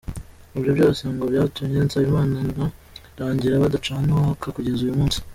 Ibyo byose ngo byatumye Nsabimana na Rangira badacana uwaka kugeza uyu munsi